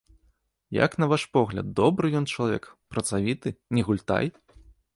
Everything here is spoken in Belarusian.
Як на ваш погляд, добры ён чалавек, працавіты, не гультай?